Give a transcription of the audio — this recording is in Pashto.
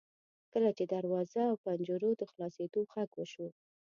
کله چې د دروازو او پنجرو د خلاصیدو غږ وشو.